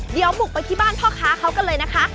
เดี๋ยวบุกไปที่บ้านพ่อค้าเขากันเลยนะคะ